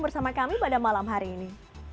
bersama kami pada malam hari ini